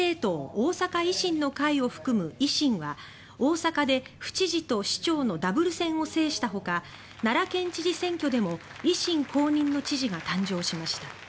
大阪維新の会を含む維新は大阪で府知事と市長のダブル選を制したほか奈良県知事選挙でも維新公認の知事が誕生しました。